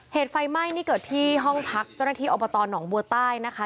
เหตุไฟไหม้นี่เกิดที่ห้องพักเจ้าหน้าที่อบตหนองบัวใต้นะคะ